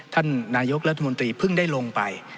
ท่านนายกรัฐมนตรีเพิ่งได้ลงไป